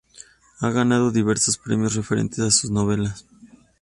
Ha ganado diversos premios referentes a sus novelas.